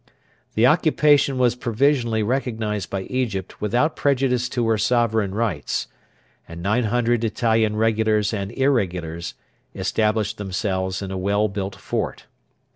The occupation was provisionally recognised by Egypt without prejudice to her sovereign rights, and 900 Italian regulars and irregulars established themselves in a well built fort.